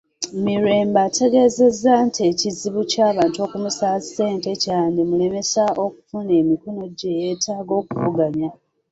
Mirembe ategeezezza nti ekizibu ky'abantu okumusaba ssente kyandimulemesa okufuna emikono gye yeetaaga okuvuganya.